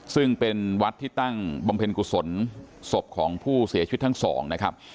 ซึ่งเป็นวัดที่ตั้งบำเพ็ญกุศลศพของผู้เสียชีวิตทั้งสองนะครับ